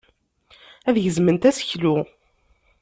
Ad gezment aseklu.